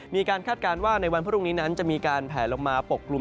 คาดการณ์ว่าในวันพรุ่งนี้นั้นจะมีการแผลลงมาปกกลุ่ม